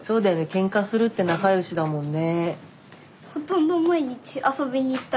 ケンカするって仲よしだもんね。